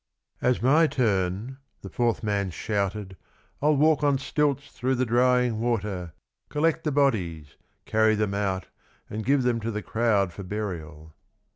" As my turn," the fourth man shouted, " I'll walk on stilts through the drying water, collect the bodies, carry them out, and give them to the crowd for burial."